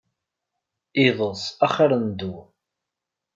Iḍes axir n ddwa.